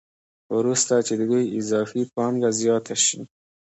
وروسته چې د دوی اضافي پانګه زیاته شي